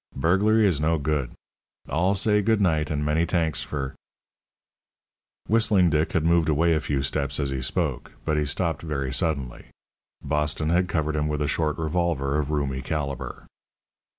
Burglary is no good. I'll say good night and many t'anks fer " Whistling Dick had moved away a few steps as he spoke, but he stopped very suddenly. Boston had covered him with a short revolver of roomy calibre.